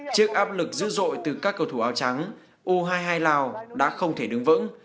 trước áp lực dữ dội từ các cầu thủ áo trắng u hai mươi hai lào đã không thể đứng vững